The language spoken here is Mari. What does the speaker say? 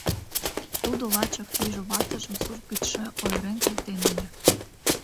— Тудо лачак тӱжӧ ватыжым сурт гычше ойырен колтен ыле...